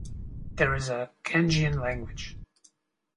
There is a Kangean language.